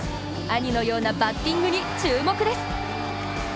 兄のようなバッティングに注目です。